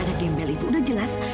anak gembel itu udah jelas